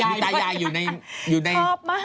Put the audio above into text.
มีตายายอยู่ใน